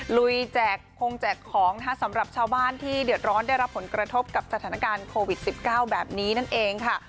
ลุยแจกคงแจกของนะคะสำหรับชาวบ้านที่เดือดร้อนได้รับผลกระทบกับสถานการณ์โควิด๑๙แบบนี้นั่นเองค่ะ